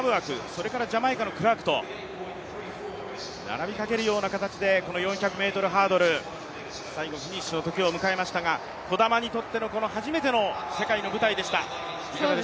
それからジャマイカのクラークと並びかけるような形で、この４００ｍハードル最後フィニッシュの時を迎えましたが児玉にとっての初めての世界の舞台でした。